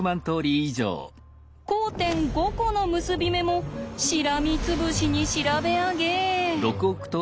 交点５コの結び目もしらみつぶしに調べ上げ。